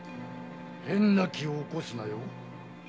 変な気を起こすなよ。